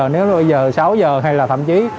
nên bây giờ sáu h hay là thậm chí